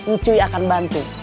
ncuy akan bantu